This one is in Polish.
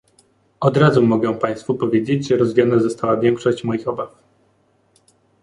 Od razu mogę państwu powiedzieć, że rozwiana została większość moich obaw